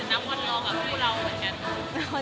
ใช่อย่างนั้น